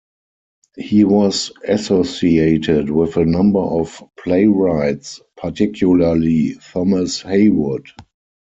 He was associated with a number of playwrights, particularly Thomas Heywood.